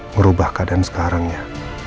merubah keadaan sekarangnya